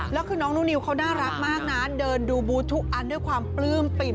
แล้วคือน้องนิวเขาน่ารักมากนะเดินดูบูธทุกอันด้วยความปลื้มปิ่ม